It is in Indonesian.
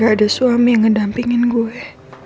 gak ada suami yang ngedampingin gue